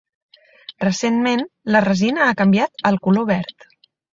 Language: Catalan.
Recentment, la resina ha canviat al color verd.